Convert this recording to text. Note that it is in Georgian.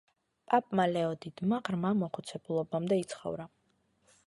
პაპმა ლეო დიდმა ღრმა მოხუცებულობამდე იცხოვრა.